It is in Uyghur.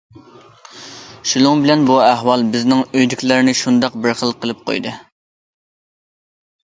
شۇنىڭ بىلەن بۇ ئەھۋال بىزنىڭ ئۆيدىكىلەرنى شۇنداق بىر خىل قىلىپ قويدى.